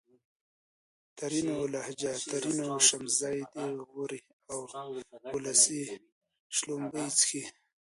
ترينو لهجه ! ترينو : شمزې دي غورې اولسۍ :شلومبې چښې